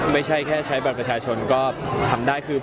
ไม่ใช่แค่ใช้บัตรประชาชนก็ทำได้คือ